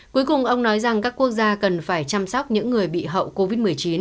cuối cùng ông nói rằng các quốc gia cần phải chăm sóc những người bị hậu covid một mươi chín